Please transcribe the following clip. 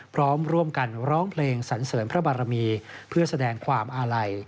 พร้อมร่วมกันร้องเพลงสันเสริมพระบารมีเพื่อแสดงความอาลัย